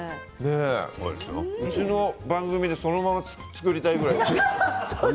うちの番組でそのまま作りたいぐらいです。